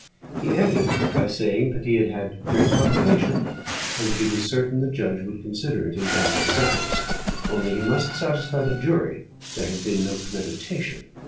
He ended by saying that he had had great provocation, and that he was certain the judge would consider it in passing sentence, only he must satisfy the jury there had been no premeditation.